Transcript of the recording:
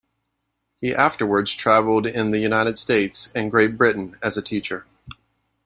He afterwards travelled in the United States and Great Britain as a teacher.